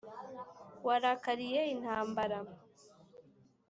Warakariye intambara